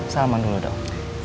salaman dulu dong